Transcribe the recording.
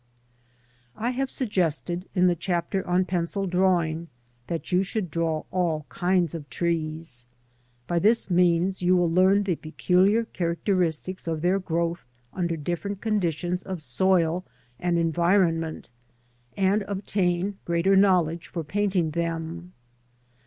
I have suggested in the chapter on pencil drawing that you should draw all kinds of trees. By this means you will learn the peculiar characteristics of their growth, under different conditions of soil and environment, and obtain greater knowledge for painting them.